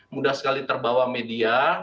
mudah sekali terbawa media